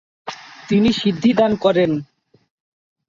তিনি সিদ্ধি দান করেন।